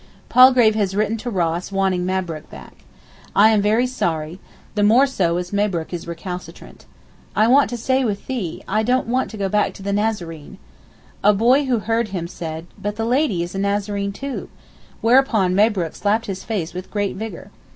Palgrave has written to Ross wanting Mabrook back. I am very sorry, the more so as Mabrook is recalcitrant. 'I want to stay with thee, I don't want to go back to the Nazarene.' A boy who heard him said, 'but the Lady is a Nazarene too;' whereupon Mabrook slapped his face with great vigour.